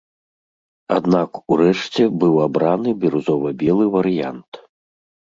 Аднак урэшце быў абраны бірузова-белы варыянт.